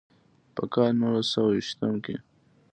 پۀ کال نولس سوه ويشتم کښې